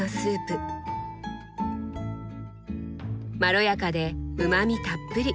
まろやかでうまみたっぷり。